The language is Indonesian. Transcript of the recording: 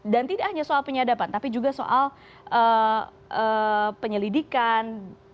dan tidak hanya soal penyadapan tapi juga soal penyelidikan